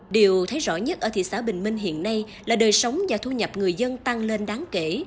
điều thấy rõ nhất ở thị xã bình minh hiện nay là đời sống và thu nhập người dân tăng lên đáng kể